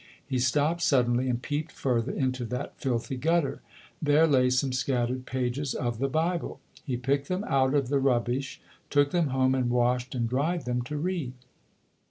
He stopped suddenly and peeped further into that filthy gutter. There lay some scattered pages of the Bible. He picked them out of the rubbish, took them home and washed and dried them to read.